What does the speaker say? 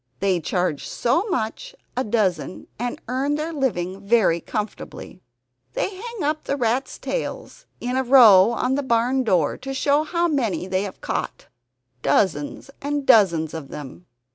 They charge so much a dozen and earn their living very comfortably. They hang up the rats' tails in a row on the barn door, to show how many they have caught dozens and dozens of them.